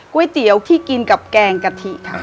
ก๋วยเตี๋ยวที่กินกับแกงกะทิค่ะ